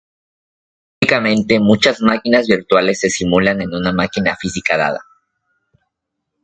Típicamente muchas máquinas virtuales se simulan en una máquina física dada.